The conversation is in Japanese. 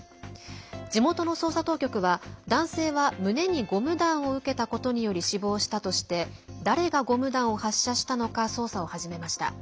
地元の捜査当局は、男性は胸にゴム弾を受けたことにより死亡したとして誰がゴム弾を発射したのか捜査を始めました。